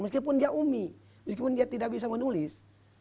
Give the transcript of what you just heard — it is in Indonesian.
meskipun dia umi meskipun dia tidak bisa menulis